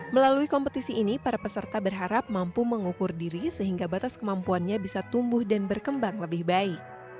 melalui kompetisi ini para peserta berharap mampu mengukur diri sehingga batas kemampuannya bisa tumbuh dan berkembang lebih baik